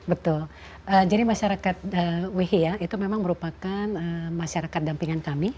betul jadi masyarakat wehiya itu memang merupakan masyarakat dampingan kami